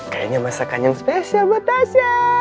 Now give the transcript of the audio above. kayaknya masakan yang spesial buat aja